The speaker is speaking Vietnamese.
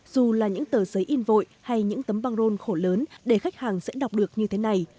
dù là những tờ giấy in vội hay những tấm băng rôn khổ lớn để khách hàng sẽ đọc được như thế này